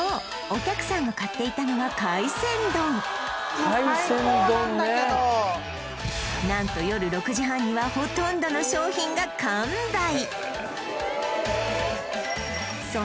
お客さんが買っていたのは海鮮丼海鮮丼ね最高なんだけど何と夜６時半にはほとんどの商品が完売！